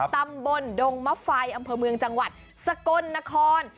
ตำบลดงมะไฟอำเภอเมืองจังหวัดสกลนคร